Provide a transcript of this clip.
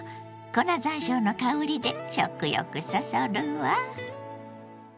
粉ざんしょうの香りで食欲そそるわ。